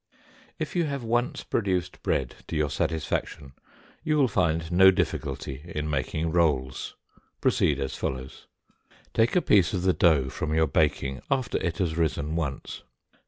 If you have once produced bread to your satisfaction you will find no difficulty in making rolls. Proceed as follows: Take a piece of the dough from your baking after it has risen once.